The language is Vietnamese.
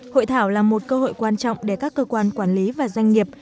hội thảo là một cơ hội quan trọng để các cơ quan quản lý và doanh nghiệp